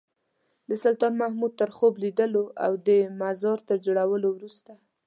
د سلطان محمود تر خوب لیدلو او د مزار تر جوړولو وروسته.